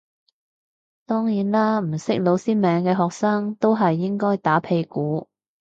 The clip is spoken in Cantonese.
當然啦唔識老師名嘅學生都係應該打屁股